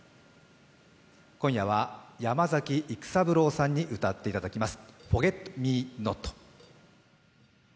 今夜は山崎育三郎さんに歌っていただきます。